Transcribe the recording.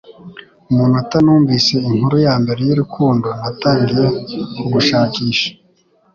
Umunota numvise inkuru yambere y'urukundo natangiye kugushakisha,